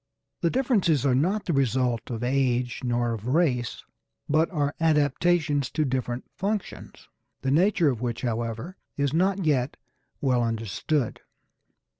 The differences are not the result of age nor of race, but are adaptations to different functions, the nature of which, however, is not yet well understood.